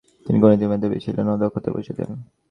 তিনি গণিতে অত্যন্ত মেধাবী ছিলেন ও দক্ষতার পরিচয় দেন।